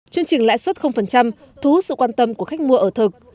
chương trình lãi suất thú sự quan tâm của khách mua ở thực